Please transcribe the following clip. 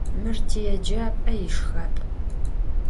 Mır tiêcap'e yişşxap'.